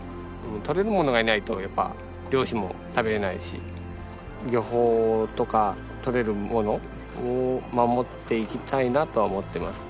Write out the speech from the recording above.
取れるものがいないと漁師も食べれないし漁法とか取れるものを守っていきたいなとは思ってます。